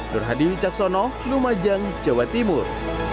nur hadi wicaksono lumajang jawa timur